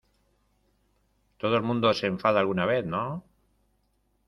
todo el mundo se enfada alguna vez, ¿ no?